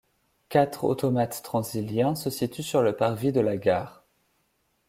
Quatre automates Transilien se situent sur le parvis de la gare.